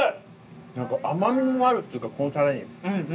何か甘みもあるっていうかこのタレに。